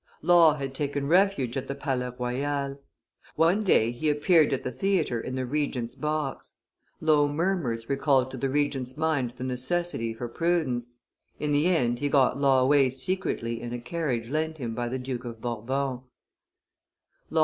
Law had taken refuge at the Palais Royal. One day he appeared at the theatre in the Regent's box; low murmurs recalled to the Regent's mind the necessity for prudence; in the end he got Law away secretly in a carriage lent him by the Duke of Bourbon.